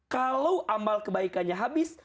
kalau amal kebaikannya habis